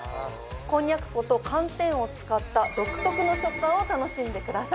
こんにゃく粉と寒天を使った独特の食感を楽しんでください。